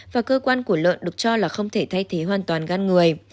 và cơ quan của lợn được cho là không thể thay thế hoàn toàn gan người